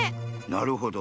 なるほど。